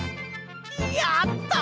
やった！